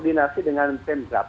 di acara tersebut